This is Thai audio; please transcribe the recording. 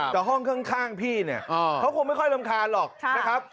แต่ห้องข้างพี่เนี่ยเขาคงไม่ค่อยรำคาญหรอกนะครับ